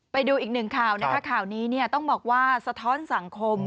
ไปดูอีกหนึ่งข่าวนะคะข่าวนี้เนี่ยต้องบอกว่าสะท้อนสังคม